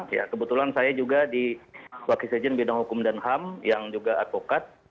ya kebetulan saya juga di wakil sejen bidang hukum dan ham yang juga advokat